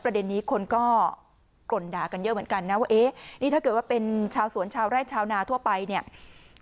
ประเด็นนี้คนก็กร่นด่ากันเยอะเหมือนกันนะว่าเอ๊ะนี่ถ้าเกิดว่าเป็นชาวสวนชาวไร่ชาวนาทั่วไปเนี่ย